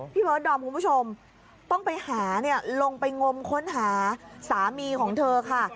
เบิร์ดดอมคุณผู้ชมต้องไปหาเนี่ยลงไปงมค้นหาสามีของเธอค่ะ